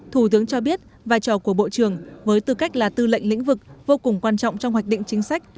thủ tướng cho biết vai trò của bộ trưởng với tư cách là tư lệnh lĩnh vực vô cùng quan trọng trong hoạch định chính sách